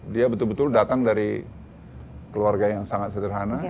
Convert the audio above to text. dia betul betul datang dari keluarga yang sangat sederhana